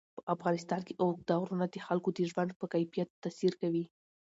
په افغانستان کې اوږده غرونه د خلکو د ژوند په کیفیت تاثیر کوي.